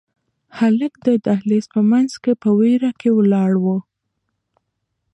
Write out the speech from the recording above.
هلک د دهلېز په منځ کې په وېره کې ولاړ و.